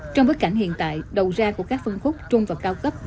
trong bối cảnh hiện tại đầu ra của các phân khúc trung và cao cấp